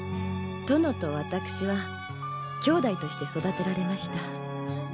殿と私はきょうだいとして育てられました。